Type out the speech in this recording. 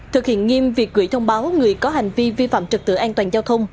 thực hiện nghiêm việc gửi thông báo người có hành vi vi phạm trật tự an toàn giao thông